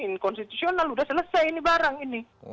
ini konstitusional udah selesai ini barang